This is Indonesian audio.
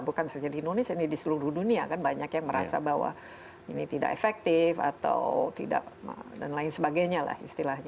bukan saja di indonesia ini di seluruh dunia kan banyak yang merasa bahwa ini tidak efektif atau tidak dan lain sebagainya lah istilahnya